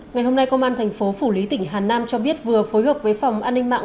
ngày hôm nay công an thành phố phủ lý tỉnh hà nam cho biết vừa phối hợp với phòng an ninh mạng